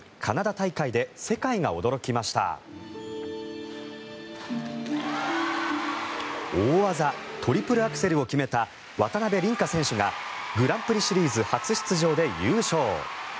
大技トリプルアクセルを決めた渡辺倫果選手がグランプリシリーズ初出場で優勝。